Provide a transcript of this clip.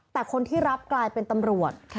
แต่คนที่รับกลายเป็นตำรวจ